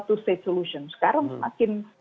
two state solution sekarang semakin